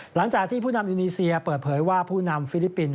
หลังจากที่ผู้นำอินีเซียเปิดเผยว่าผู้นำฟิลิปปินส